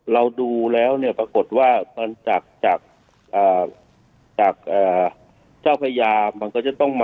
เราดูแล้วเนี่ยปรากฏว่าต้านจาก